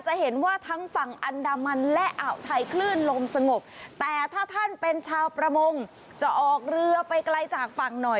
จะเห็นว่าทั้งฝั่งอันดามันและอ่าวไทยคลื่นลมสงบแต่ถ้าท่านเป็นชาวประมงจะออกเรือไปไกลจากฝั่งหน่อย